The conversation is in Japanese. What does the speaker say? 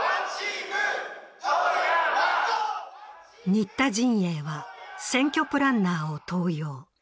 新田陣営は選挙プランナーを登用。